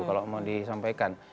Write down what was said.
kalau mau dianggap